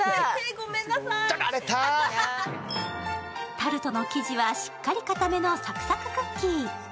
タルトの生地はしっかりかためのサクサククッキー。